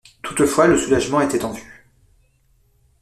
Toutefois, le soulagement était en vue.